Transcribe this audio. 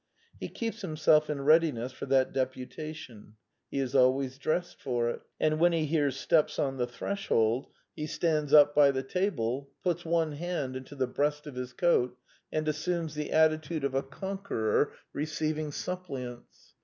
He keeps himself in readiness for that deputation. He is always dressed for it ; and when he hears steps on the threshold, he stands 164 The Quintessence of Ibsenism up by the table ; puts one hand into the breast of his coat ; and assumes the attitude of a conqueror receiving suppliants.